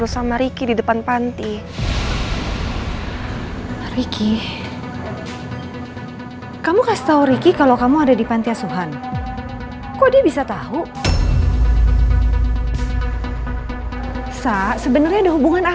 sampai jumpa di video selanjutnya